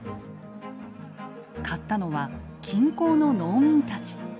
買ったのは近郊の農民たち。